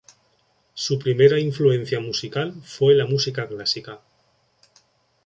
Su primera influencia musical fue la música clásica.